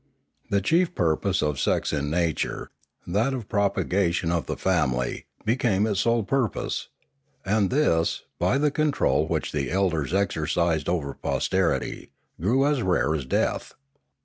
The chief purpose of sex in nature, that of propagation of the family, became its sole purpose; and this, by the control which the elders exercised over posterity, grew as rare as death.